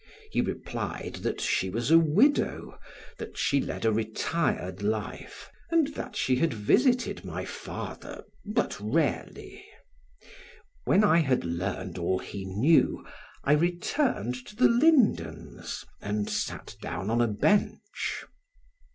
He replied that she was a widow, that she led a retired life, and that she had visited my father, but rarely. When I had learned all he knew, I returned to the lindens and sat down on a bench.